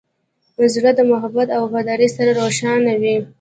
زړه د محبت او وفادارۍ سره روښانه وي.